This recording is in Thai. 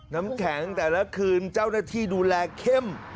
น้ำแข็งแต่ละคืนเจ้าหน้าที่ดูแลเข้ม